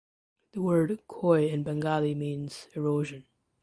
The word khoy in Bengali means erosion.